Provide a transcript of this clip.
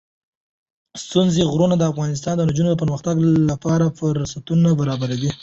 ستوني غرونه د افغان نجونو د پرمختګ لپاره فرصتونه برابروي.